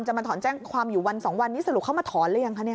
มาถอนแจ้งความอยู่วันสองวันนี้สรุปเขามาถอนหรือยังคะเนี่ย